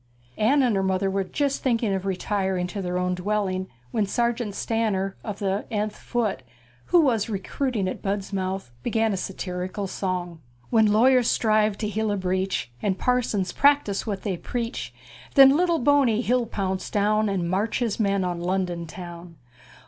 Anne and her mother were just thinking of retiring to their own dwelling when Sergeant Stanner of the th Foot, who was recruiting at Budmouth, began a satirical song: When law' yers strive' to heal' a breach', And par sons prac' tise what' they preach'; Then lit' tle Bo ney he'll pounce down', And march' his men' on Lon' don town'!